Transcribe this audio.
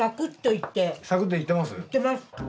いってます。